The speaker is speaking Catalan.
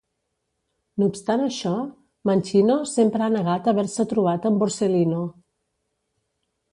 No obstant això, Mancino sempre ha negat haver-se trobat amb Borsellino.